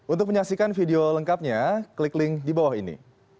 untuk menyaksikan video lengkapnya klik link di bawah ini